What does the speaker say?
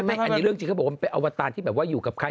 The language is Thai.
ไม่อันนี้เรื่องจริงเขาบอกว่าเป็นอุบัติธรรมที่อยู่กับใคร